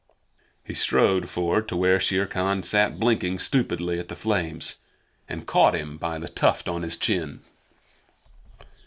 He strode forward to where Shere Khan sat blinking stupidly at the flames, and caught him by the tuft on his chin.